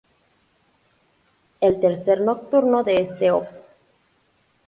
El tercer nocturno de este Op.